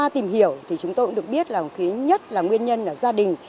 tìm hiểu thì chúng tôi cũng được biết là một cái nhất là nguyên nhân là gia đình